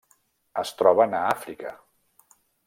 Es troben a Àfrica.